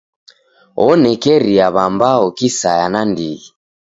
Onekeria w'ambao kisaya nandighi.